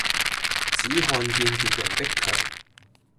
只看見別人的强